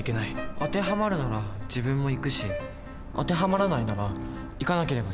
当てはまるなら自分も行くし当てはまらないなら行かなければいい。